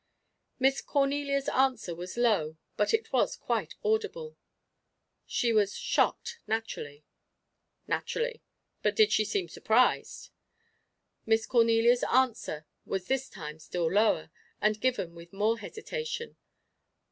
Miss Cornelia's answer was low, but it was quite audible. "She was shocked, naturally." "Naturally. But did she seem surprised?" Miss Cornelia's answer was this time still lower, and given with more hesitation.